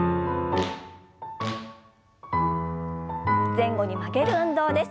前後に曲げる運動です。